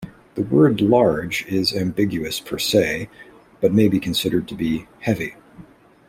The word "large" is ambiguous per se, but may be considered to be "heavy".